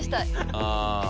ああ！